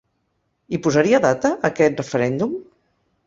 Hi posaria data a aquest referèndum?